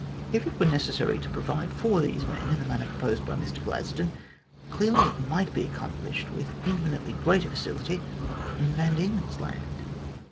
If it were necessary to provide for these men in the manner proposed by Mr Gladstone, clearly it might be accomplished with infinitely greater facility in Van Diemen's Land.